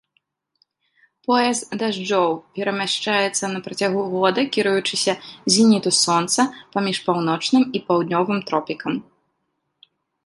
Пояс дажджоў перамяшчаецца на працягу года кіруючыся зеніту сонца паміж паўночным і паўднёвым тропікам.